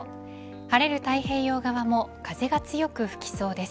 晴れる太平洋側も風が強く吹きそうです。